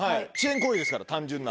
ですから単純な。